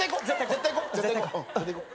絶対行こう。